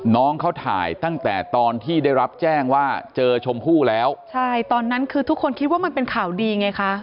น้องเขาถ่ายตั้งแต่ตอนที่ได้รับแจ้งว่าเจอชมพู่แล้วใช่ตอนนั้นคือทุกคนคิดว่ามันเป็นข่าวดีไงคะ